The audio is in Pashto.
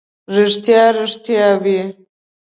ریښتیا، ریښتیا وي.